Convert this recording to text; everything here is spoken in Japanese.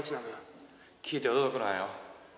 聞いて驚くなよ。